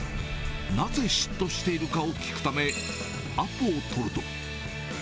なぜ嫉妬しているかを聞くため、アポを取ると。